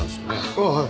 ああはい。